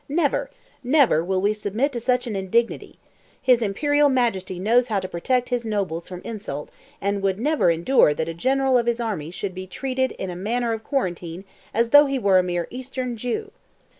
Never—never will we submit to such an indignity. His Imperial Majesty knows how to protect his nobles from insult, and would never endure that a General of his army should be treated in matter of quarantine as though he were a mere Eastern Jew!"